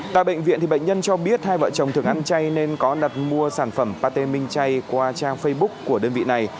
tại bệnh viện bệnh nhân cho biết hai vợ chồng thực ăn chay nên có đặt mua sản phẩm pate minh chay qua trang facebook của đơn vị này